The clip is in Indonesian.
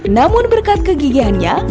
namun berkat kegigihannya